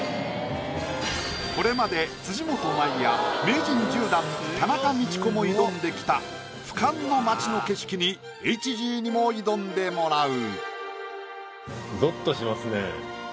これまで辻元舞や名人１０段田中道子も挑んできたＨＧにも挑んでもらう。